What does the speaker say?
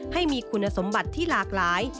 ให้มีคุณสมบัติที่หลากหลาย